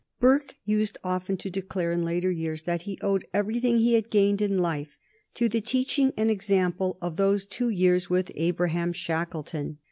Burke used often to declare in later years that he owed everything he had gained in life to the teaching and the example of those two years with Abraham Shackleton.